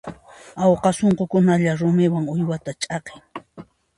Awqa sunqukunalla rumita uywaman ch'aqin.